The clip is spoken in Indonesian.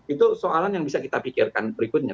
itu soalan yang bisa kita pikirkan berikutnya